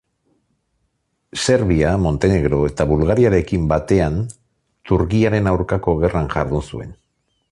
Serbia, Montenegro eta Bulgariarekin batean Turkiaren aurkako gerran jardun zuen.